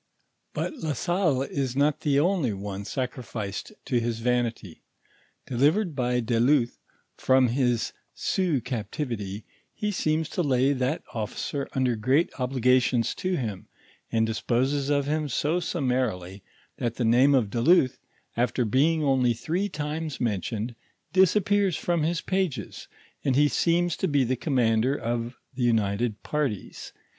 But La Salle is not the only one sacrificed to his vanity. Delivered by de Luth from his Sioux captivity, he seems to lay that officer under great obliga tions to him, and disposes of him so summarily, that the name of de Luth, after being only three times mentioned, disappears from his pages, and he seems to be the commander of tl\i united parties.